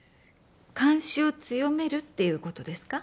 監視を強めるっていう事ですか？